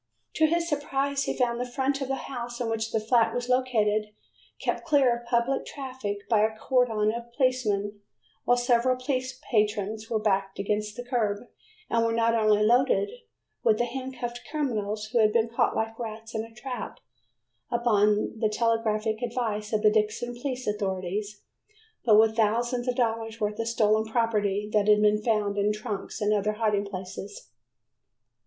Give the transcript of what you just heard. To his surprise he found the front of the house in which the flat was located kept clear of public traffic by a cordon of policemen, while several police patrols were backed against the curb, and were not only loaded with the handcuffed criminals, who had been caught like rats in a trap, upon the telegraphic advice of the Dixon police authorities, but with thousands of dollars worth of stolen property that had been found in trunks and other hiding places.